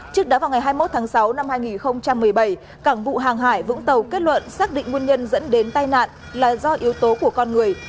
trước đó vào ngày hai mươi một tháng sáu năm hai nghìn một mươi bảy cảng vụ hàng hải vũng tàu kết luận xác định nguyên nhân dẫn đến tai nạn là do yếu tố của con người